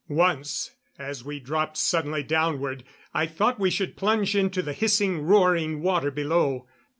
Once, as we dropped suddenly downward, I thought we should plunge into the hissing, roaring water below.